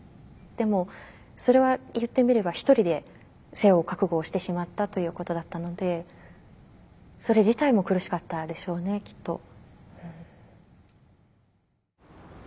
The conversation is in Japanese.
でもそれは言ってみれば一人で背負う覚悟をしてしまったということだったのでそれ自体も苦しかったでしょうねきっと。